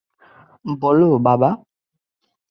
বলো, বাবা!